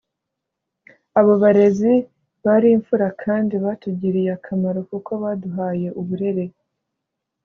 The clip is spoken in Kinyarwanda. “Abo barezi bari imfura kandi batugiriye akamaro kuko baduhaye uburere”